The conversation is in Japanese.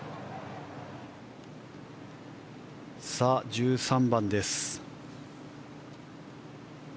１３番です。